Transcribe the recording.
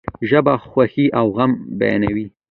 ژبه خوښی او غم بیانوي.